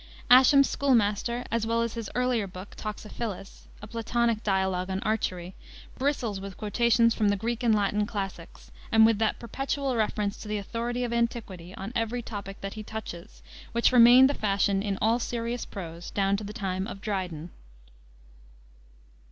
Ascham's Schoolmaster, as well as his earlier book, Toxophilus, a Platonic dialogue on archery, bristles with quotations from the Greek and Latin classics, and with that perpetual reference to the authority of antiquity on every topic that he touches, which remained the fashion in all serious prose down to the time of Dryden.